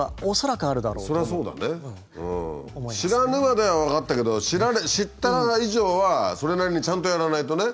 「知らぬ」までは分かったけど知った以上はそれなりにちゃんとやらないとね。